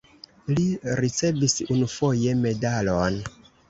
Li ricevis unufoje medalon.